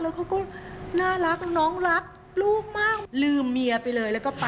แล้วเขาก็น่ารักน้องรักลูกมาก